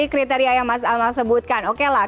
kriteria yang mas amal sebutkan oke lah